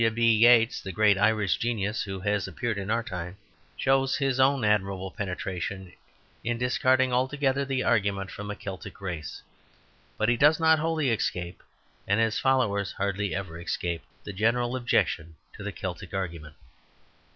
W. B. Yeats, the great Irish genius who has appeared in our time, shows his own admirable penetration in discarding altogether the argument from a Celtic race. But he does not wholly escape, and his followers hardly ever escape, the general objection to the Celtic argument.